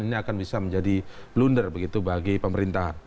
ini akan bisa menjadi blunder begitu bagi pemerintahan